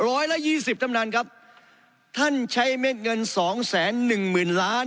ร้อยละยี่สิบท่านประธานครับท่านใช้เม็ดเงินสองแสนหนึ่งหมื่นล้าน